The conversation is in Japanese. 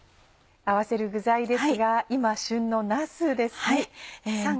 合わせる具材ですが今旬のなすですね。